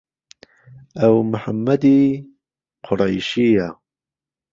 ئهو محەممەدی قوڕهیشییه